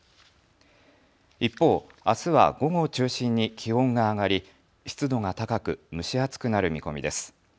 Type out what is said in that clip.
一方、あすは午後を中心に気温が上がり湿度が高く蒸し暑くなる見込みです。